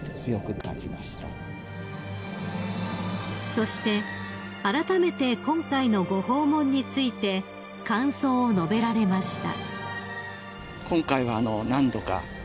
［そしてあらためて今回のご訪問について感想を述べられました］